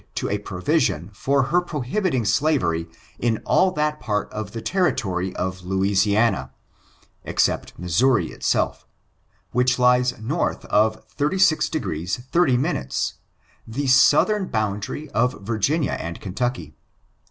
457 to a provision for ever prohibiting slavery in all that part of the Territory of Louisiana (except Missouri Itself) which lies north of 36^ 30 ^ the southern boundary of Virginia and Kentucky.